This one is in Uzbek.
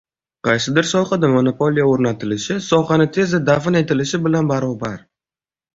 Qaysidir sohada monopoliya o‘rnatilishi sohani tezda dafn etish bilan barobar